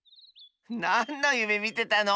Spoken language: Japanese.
なんのゆめみてたの？